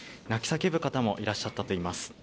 泣き叫ぶ方もいらっしゃったといいます。